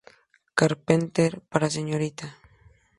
Carpenter para señoritas".